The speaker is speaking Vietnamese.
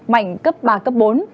mạnh cấp ba cấp bốn